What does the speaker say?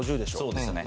そうですね。